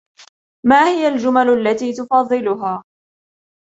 ما هي الجُمل التي تفضلها ؟